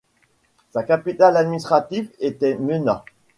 Sa capitale administrative était Mena.